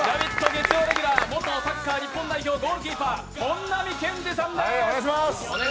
月曜レギュラー、元サッカー日本代表ゴールキーパー本並健治さんです。